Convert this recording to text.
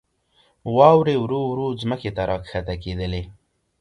واورې ورو ورو ځمکې ته راکښته کېدلې.